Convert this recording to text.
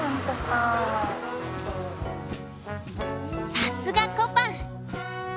さすがこぱん！